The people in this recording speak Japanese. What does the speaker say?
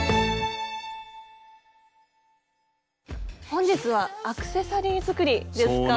本日はアクセサリー作りですか？